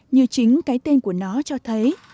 như chính cái tên của nó cho thấy